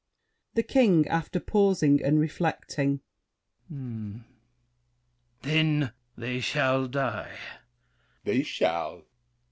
THE KING (after pausing and reflecting). Then they shall die! L'ANGELY. They shall!